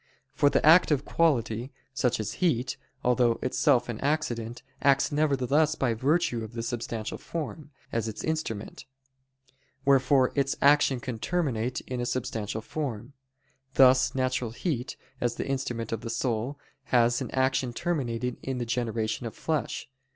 For the active quality, such as heat, although itself an accident, acts nevertheless by virtue of the substantial form, as its instrument: wherefore its action can terminate in a substantial form; thus natural heat, as the instrument of the soul, has an action terminating in the generation of flesh.